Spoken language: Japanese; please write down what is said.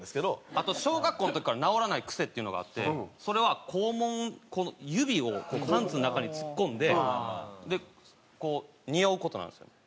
あと小学校の時から直らない癖っていうのがあってそれは肛門指をパンツの中に突っ込んでこうにおう事なんですよ。